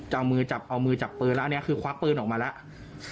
เอามือจับปืนแล้วอันนี้คือควักปืนออกมาแล้ว